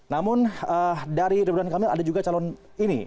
namun dari ridwan kamil ada juga calon ini